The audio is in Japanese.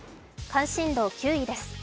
関心度９位です。